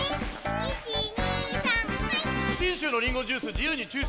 １２３はい！